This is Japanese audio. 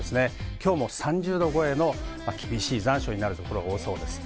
今日も厳しい残暑になるところが多そうです。